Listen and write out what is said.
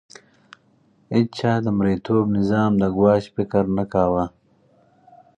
هیڅ چا د مرئیتوب نظام د ګواښ فکر نه کاوه.